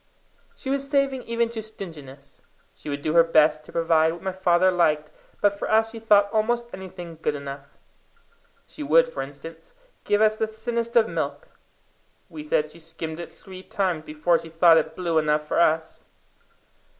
She was saving even to stinginess. She would do her best to provide what my father liked, but for us she thought almost anything good enough. She would, for instance, give us the thinnest of milk we said she skimmed it three times before she thought it blue enough for us.